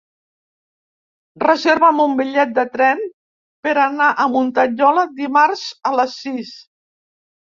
Reserva'm un bitllet de tren per anar a Muntanyola dimarts a les sis.